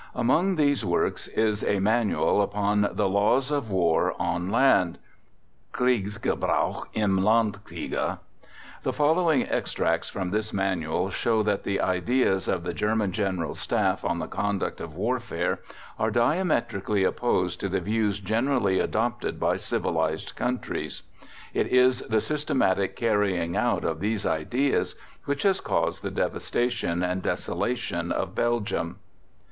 Among these works is a Manual upon "The Laws of War on Land." ("Kriegsgebrauch im Landkriege.") The following extracts from this manual show that the ideas of the German General Staff on the conduct of warfare are diametrically opposed to the views generally adopted by civilized countries. It is the systematic carrying out of these ideas which has caused the devastation and desolation of Belgium.